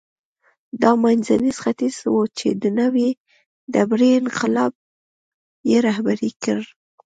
دا منځنی ختیځ و چې د نوې ډبرې انقلاب یې رهبري کړ.